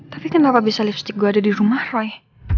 tapi kenapa bisa lipstick gue ada di rumah roy